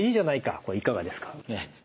これいかがですか？